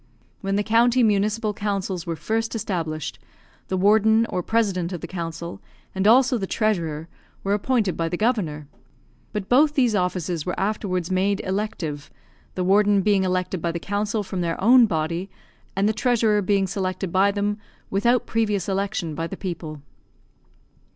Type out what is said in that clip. When the County Municipal Councils were first established, the warden or president of the council, and also the treasurer, were appointed by the governor; but both these offices were afterwards made elective, the warden being elected by the council from their own body, and the treasurer being selected by them, without previous election by the people.